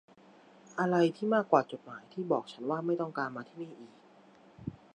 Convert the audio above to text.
อะไรที่มากกว่าจดหมายที่บอกฉันว่าไม่ต้องการมาที่นี่อีก